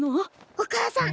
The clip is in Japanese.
お母さん！